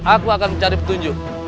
aku akan mencari petunjuk